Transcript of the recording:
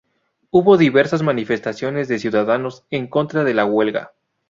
Hubo diversas manifestaciones de ciudadanos en contra de la huelga.